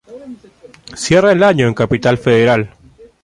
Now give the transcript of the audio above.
Cierra el año en Capital Federal.